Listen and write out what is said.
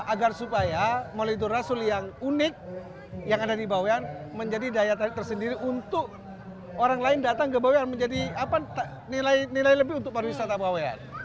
agar supaya melalui rasul yang unik yang ada di bawean menjadi daya tarik tersendiri untuk orang lain datang ke bawean menjadi nilai lebih untuk pariwisata bawean